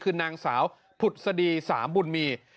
คือนางสาวผุดสดีสามบุญมี